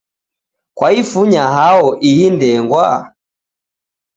Kwaifunya hao ihi ndengwa?